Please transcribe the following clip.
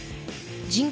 人口